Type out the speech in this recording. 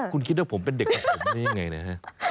คุณคิดว่าผมเป็นเด็กกับผมได้ยังไงนะฮะ